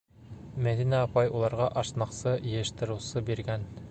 Мәҙинә апай уларға ашнаҡсы, йыйыштырыусы биргән.